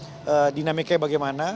tapi kita belum tahu dinamikanya bagaimana